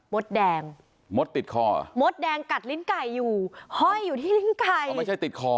มดแดงมดติดคอมดแดงกัดลิ้นไก่อยู่ห้อยอยู่ที่ลิ้นไก่ก็ไม่ใช่ติดคอ